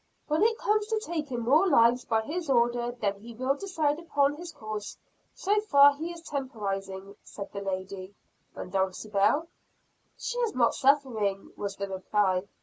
"When it comes to taking more lives by his order, then he will decide upon his course. So far he is temporizing," said the lady. "And Dulcibel?" "She is not suffering," was the reply.